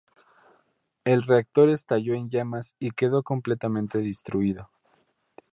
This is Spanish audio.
El reactor estalló en llamas y quedó completamente destruido.